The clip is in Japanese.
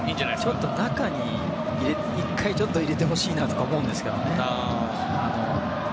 ちょっと中に１回入れてほしいなとか思うんですけどね。